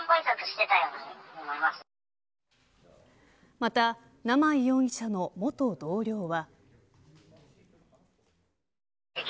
また、生井容疑者の元同僚は。